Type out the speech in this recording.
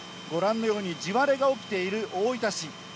ご覧のように、地割れが起きている大分市。